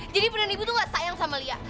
jadi beneran ibu tuh gak sayang sama liah